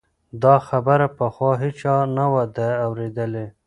دا خبره پخوا هیچا نه وه اورېدلې.